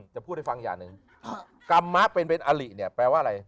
จะพูดให้ฟักอย่างคำมะเป็นเป็นอาริแปลว่าอะไร